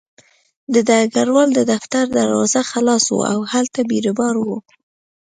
د ډګروال د دفتر دروازه خلاصه وه او هلته بیروبار و